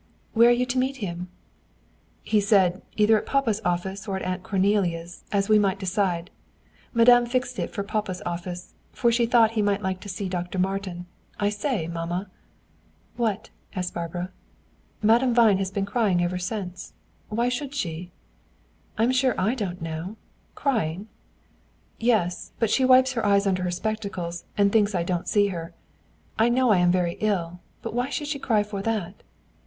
"Where are you to meet him?" "He said, either at papa's office or at Aunt Cornelia's, as we might decide. Madame fixed it for papa's office, for she thought he might like to see Dr. Martin. I say, mamma." "What?" asked Barbara. "Madame Vine has been crying ever since. Why should she?" "I'm sure I don't know. Crying!" "Yes but she wipes her eyes under her spectacles, and thinks I don't see her. I know I am very ill, but why should she cry for that?"